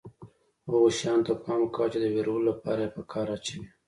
هغو شیانو ته پام کوه چې د وېرولو لپاره یې په کار اچوي.